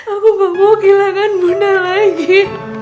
aku gak mau kehilangan bunda lagi